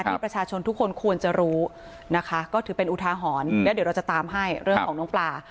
ที่ประชาชนทุกคนควรจะรู้นะคะก็ถือเป็นอุทาหรณ์แล้วเดี๋ยวเราจะตามให้เรื่องของน้องปลา